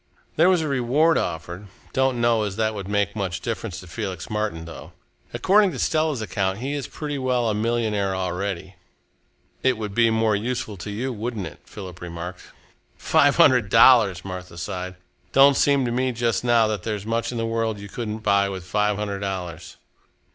"There was a reward offered. Don't know as that would make much difference to Felix Martin, though. According to Stella's account, he is pretty well a millionaire already." "It would be more useful to you, wouldn't it?" Philip remarked. "Five hundred dollars!" Martha sighed. "Don't seem to me just now that there's much in the world you couldn't buy with five hundred dollars."